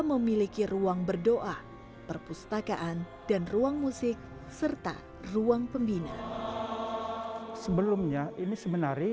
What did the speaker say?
memiliki ruang berdoa perpustakaan dan ruang musik serta ruang pembina sebelumnya ini sebenarnya